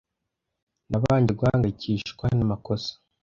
Nabanje guhangayikishwa namakosa